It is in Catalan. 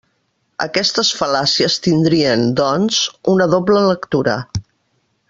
Aquestes fal·làcies tindrien, doncs, una doble lectura.